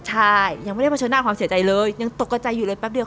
ใช่ยังไม่ได้เผชิญหน้าความเสียใจเลยยังตกกระใจอยู่เลยแป๊บเดียว